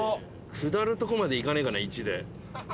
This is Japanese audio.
下る所まで行かねえかな「１」で。